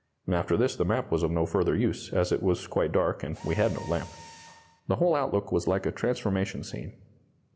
After this the map was of no further use, as it was quite dark and we had no lamp. The whole outlook was like a transformation scene.